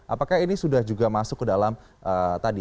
apakah ini sudah juga masuk ke dalam tadi